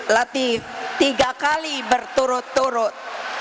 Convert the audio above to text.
latih tiga kali berturut turut